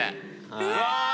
うわ！